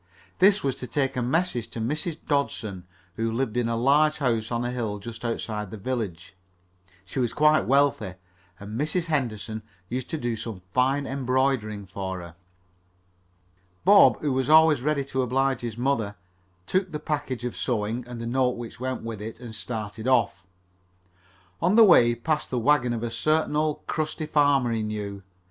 This was to take a message to Mrs. Dodson, who lived in a large house on a hill just outside the village. She was quite wealthy, and Mrs. Henderson used to do some fine embroidering for her. Bob, who was always ready to oblige his mother, took the package of sewing and the note which went with it and started off. On the way he passed the wagon of a certain old crusty farmer he knew.